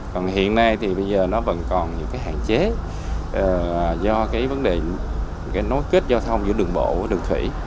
còn hiện nay thì bây giờ nó vẫn còn những hạn chế do vấn đề nối kết giao thông giữa đường bộ và đường thủy